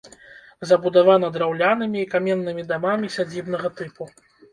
Забудавана драўлянымі і каменнымі дамамі сядзібнага тыпу.